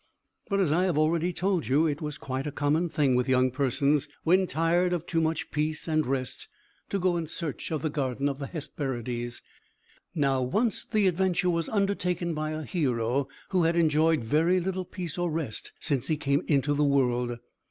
But, as I have already told you, it was quite a common thing with young persons, when tired of too much peace and rest, to go in search of the garden of the Hesperides. And once the adventure was undertaken by a hero who had enjoyed very little peace or rest since he came into the world.